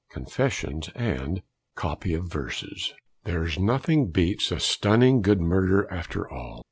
CONFESSIONS, AND COPY OF VERSES. "There's nothing beats a stunning good murder after all."